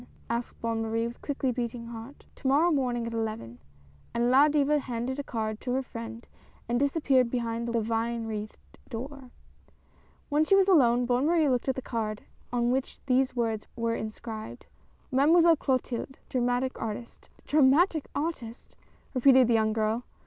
" asked Bonne Marie with quickly beating heart. " To morrow morning at eleven !" and La Diva handed a card to her friend and disappeared behind the vine wreathed door. When she was alone, Bonne Marie looked at the card on ^hich these words were inscribed, MADEMOISELLE CLOTILDE. DRAMATIC ARTIST. "Dramatic artist?" repeated the young girl.